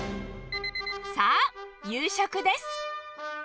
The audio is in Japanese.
さあ、夕食です。